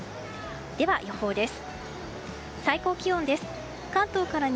では、予報です。